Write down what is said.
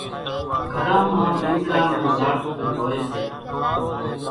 گھران مان لينٻڙا نون زاڙکون هوئيَ سي۔